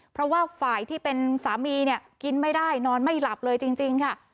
เพราะว่าฝ่ายที่เป็นสามีเนี่ยกินไม่ได้นอนไม่หลับเลยจริงค่ะ